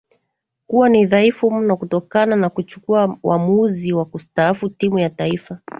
kuwa ni thaifu mno kutokana na kuchukua wamuzi wa kustaafu timu ya taifa